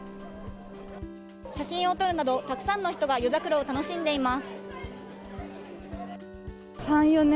写真を撮るなどたくさんの人が夜桜を楽しんでいます。